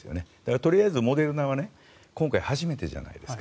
とりあえず、モデルナは今回初めてじゃないですか。